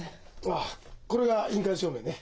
ああこれが印鑑証明ね。